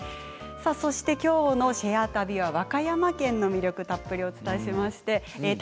きょうの「シェア旅」は和歌山県の魅力たっぷりお伝えしました。